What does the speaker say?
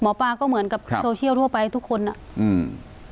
หมอปลาก็เหมือนกับครับโซเชียลทั่วไปทุกคนอ่ะอืม